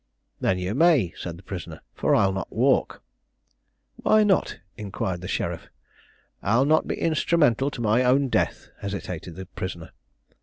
"Then you may," said the prisoner, "for I'll not walk." "Why not?" inquired the sheriff. "I'll not be instrumental to my own death," hesitated the prisoner.